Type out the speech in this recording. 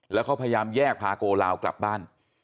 แล้วเขาพยายามแยกพาโกลาวกลับบ้าน